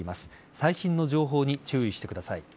最新の情報に注意してください。